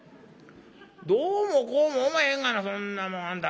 「どうもこうもおまへんがなそんなもんあんた。